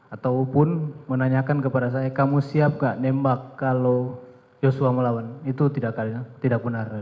ataupun menanyakan kepada saya kamu siap gak nembak kalau joshua melawan itu tidak benar